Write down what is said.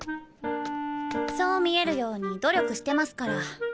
そう見えるように努力してますから。